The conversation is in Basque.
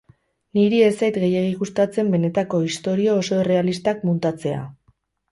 Niri ez zait gehiegi gustatzen benetako istorio oso errealistak muntatzea.